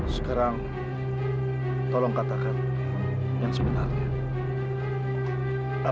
sekarang tolong katakan yang sebenarnya